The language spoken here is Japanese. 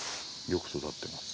よく育ってます。